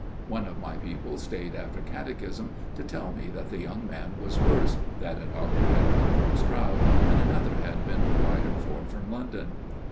One of my people stayed after Catechism to tell me that the young man was worse, that a doctor had come from Stroud, and another had been wired for from London.